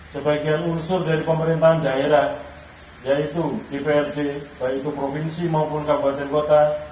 sebagian unsur dari pemerintahan daerah yaitu dprd baik itu provinsi maupun kabupaten kota